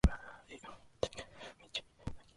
背中をたたく大外刈り、組み手も切れます。